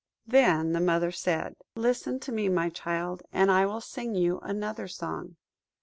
Then the Mother said– "Listen to me, my child, and I will sing you another song."